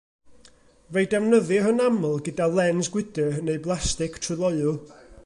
Fe'i defnyddir yn aml gyda lens gwydr neu blastig tryloyw.